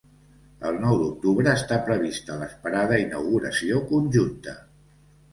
El nou d'octubre està prevista l'esperada inauguració conjunta.